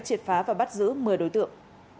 triệt phá và bắt giữ một mươi đối tượng